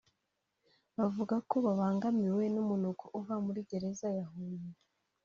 bavugako babangamiwe n’umunuko uva muri gereza ya Huye